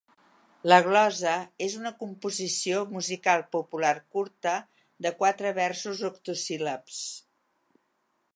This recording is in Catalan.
La glosa és una composició musical popular curta de quatre versos octosíl·labs.